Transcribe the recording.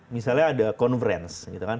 misalnya ada conference gitu kan